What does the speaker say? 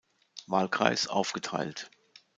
Wahlkreis aufgeteilt.